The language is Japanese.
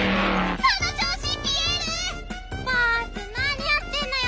なにやってんのよ！